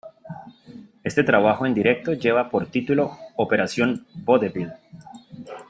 Este trabajo en directo lleva por título "Operación Vodevil.